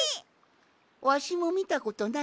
わしもみたことないんじゃ。